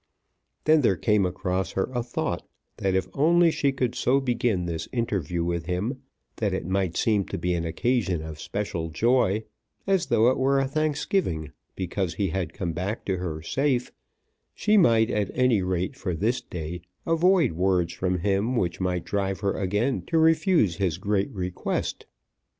Then there came across her a thought that if only she could so begin this interview with him that it might seem to be an occasion of special joy, as though it were a thanksgiving because he had come back to her safe, she might, at any rate for this day, avoid words from him which might drive her again to refuse his great request.